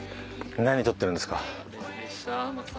何撮ってるんですか？